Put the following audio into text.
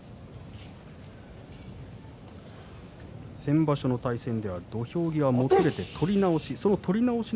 先場所の対戦では土俵際もつれて取り直し。